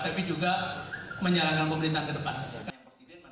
tapi juga menyalahkan pemerintahan ke depan